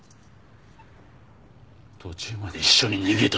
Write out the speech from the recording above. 途中まで一緒に逃げたろ？